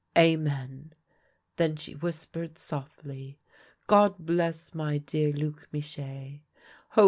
Amen.' Then she whis pered softly :' God bless my dear Luc Michee !